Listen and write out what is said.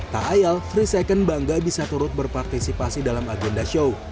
tak ayal tiga second bangga bisa turut berpartisipasi dalam agenda show